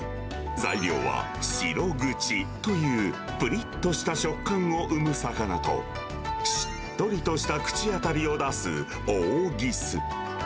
材料はシログチという、ぷりっとした食感を生む魚と、しっとりとした口当たりを出すオオギス。